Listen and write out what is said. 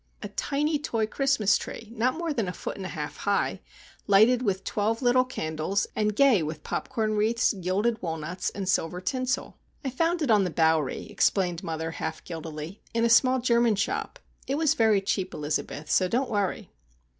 A tiny toy Christmas tree, not more than a foot and a half high, lighted with twelve little candles, and gay with popcorn wreaths, gilded walnuts, and silver tinsel. "I found it on the Bowery," explained mother, half guiltily,—"in a small German shop. It was very cheap, Elizabeth. So don't worry!"